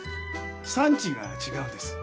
産地が違うんです